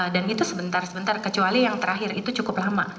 dan itu sebentar sebentar kecuali yang terakhir itu cukup lama